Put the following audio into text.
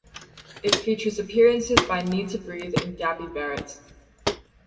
It features appearances by Needtobreathe and Gabby Barrett.